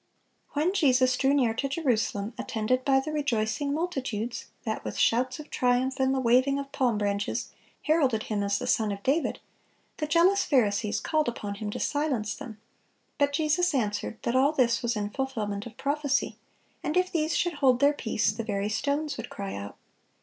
When Jesus drew near to Jerusalem attended by the rejoicing multitudes that, with shouts of triumph and the waving of palm branches, heralded Him as the Son of David, the jealous Pharisees called upon Him to silence them; but Jesus answered that all this was in fulfilment of prophecy, and if these should hold their peace, the very stones would cry out.